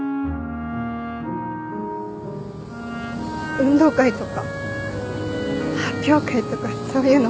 運動会とか発表会とかそういうのばっか。